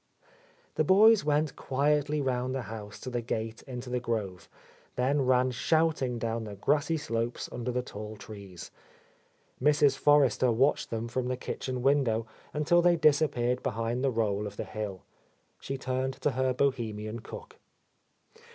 The boys went quietly round the house to the gate into the grove, then ran shouting down the grassy slopes under the tall trees. Mrs. For —15— A Lost Lady Tester watched them from the kitchen window until they disappeared behind the roll of the hill. She turned to her Bohemian cook.